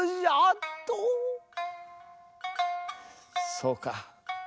そうか。